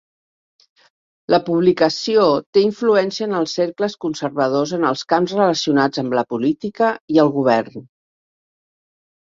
La publicació té influència en els cercles conservadors en els camps relacionats amb la política i el govern.